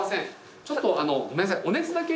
ちょっとごめんなさい。